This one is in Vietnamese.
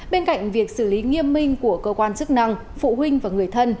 bên cạnh việc xử lý nghiêm minh của cơ quan chức năng phụ huynh và người thân